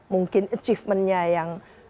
mungkin achievementnya yang